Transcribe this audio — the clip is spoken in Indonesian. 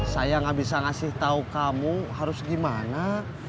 saya gak bisa ngasih tahu kamu harus gimana